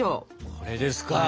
これですか？